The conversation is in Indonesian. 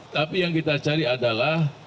tapi yang kita cari adalah